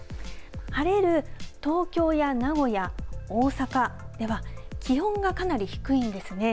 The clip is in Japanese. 晴れる東京や名古屋、大阪では気温が、かなり低いんですね。